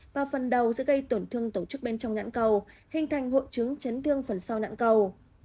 và phần đầu sẽ gây tổn thương tổ chức bên trong nhãn cầu hình thành hộ trứng chấn thương phần sau nhãn cầu